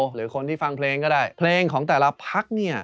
หรือคนที่ฟังเพลงก็ได้เพลงของแต่ละพักเนี่ย